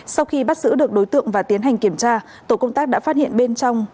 sau khi bắt giữ được đối tượng và tiến hành kiểm tra tổ công tác đã phát hiện bên trong